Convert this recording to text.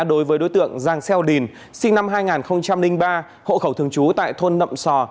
đối với đối tượng giang xeo điền sinh năm hai nghìn ba hộ khẩu thường trú tại thôn nậm sò